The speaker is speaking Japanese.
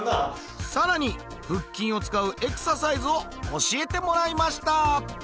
さらに腹筋を使うエクササイズを教えてもらいました